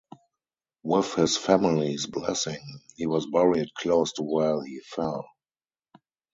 With his family's blessing, he was buried close to where he fell.